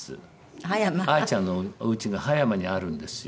愛ちゃんのおうちが葉山にあるんですよ。